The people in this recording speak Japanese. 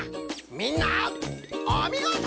みんなおみごと！